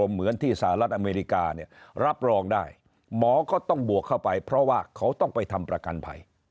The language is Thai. เหมือนที่สหรัฐอเมริกาเนี่ยรับรองได้หมอก็ต้องบวกเข้าไปเพราะว่าเขาต้องไปทำประกันภัย